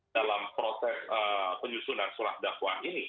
dalam proses penyusunan surat dakwaan ini